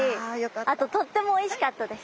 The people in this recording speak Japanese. あととってもおいしいかったです。